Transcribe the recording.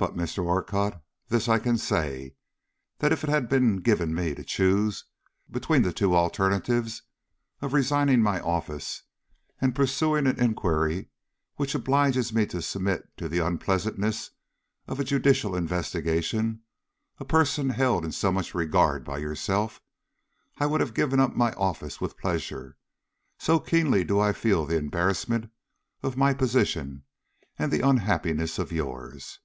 But, Mr. Orcutt, this I can say: that if it had been given me to choose between the two alternatives of resigning my office and of pursuing an inquiry which obliges me to submit to the unpleasantness of a judicial investigation a person held in so much regard by yourself, I would have given up my office with pleasure, so keenly do I feel the embarrassment of my position and the unhappiness of yours.